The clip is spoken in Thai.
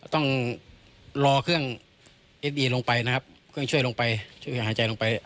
ต้องรอเครื่องเอ็ดบีลงไปนะครับเครื่องช่วยลงไปช่วยหายใจลงไป